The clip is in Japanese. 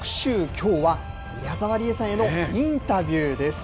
きょうは、宮沢りえさんへのインタビューです。